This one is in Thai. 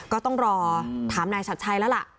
ก็ต้องรอถามนายชัดชัยแล้วล่ะ